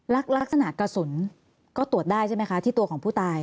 ลักษณะกระสุนก็ตรวจได้ใช่ไหมคะที่ตัวของผู้ตาย